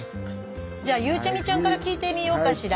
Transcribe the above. じゃあゆうちゃみちゃんから聞いてみようかしら。